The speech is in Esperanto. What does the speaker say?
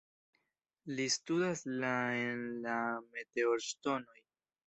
Li studas la en la meteorŝtonoj.